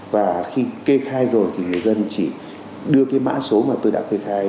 và khi kê khai rồi thì người dân chỉ đưa cái mã số mà tôi đã kê khai